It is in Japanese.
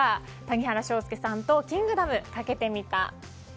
谷原章介さんと「キングダム」かけてみた。